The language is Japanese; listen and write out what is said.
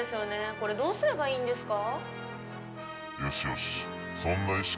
これどうすればいいんですか？